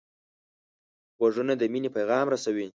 غوږونه د مینې پیغام رسوي